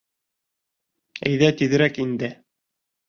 Әйҙә тиҙерәк инде.